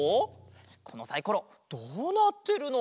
このサイコロどうなってるの？